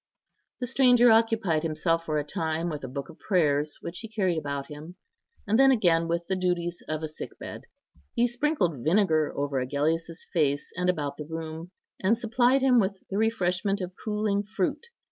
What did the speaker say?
The stranger occupied himself for a time with a book of prayers which he carried about him, and then again with the duties of a sick bed. He sprinkled vinegar over Agellius's face and about the room, and supplied him with the refreshment of cooling fruit.